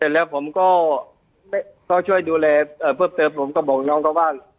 แล้วผมก็ช่วยดูแลเพิ่มเติมผมก็บอกน้องเขาว่า